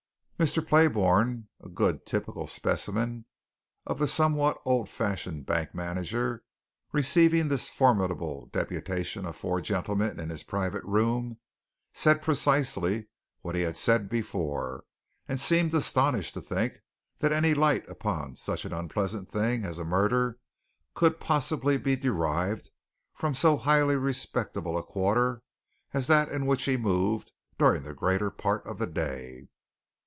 Mr. Playbourne, a good typical specimen of the somewhat old fashioned bank manager, receiving this formidable deputation of four gentlemen in his private room, said precisely what he had said before, and seemed astonished to think that any light upon such an unpleasant thing as a murder could possibly be derived from so highly respectable a quarter as that in which he moved during the greater part of the day.